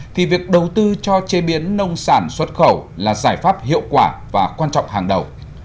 thì việc đầu tư cho chế biến nông sản xuất khẩu là giải pháp hiệu quả và quan trọng hàng đầu